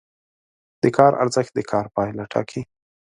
د کار ارزښت د کار پایله ټاکي.